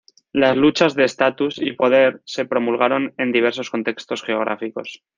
Las luchas de estatus y poder se promulgaron en diversos contextos geográficos.